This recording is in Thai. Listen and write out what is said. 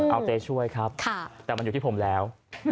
เอาใจช่วยครับแต่มันอยู่ที่ผมแล้ว